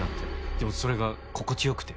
でもそれが心地良くて。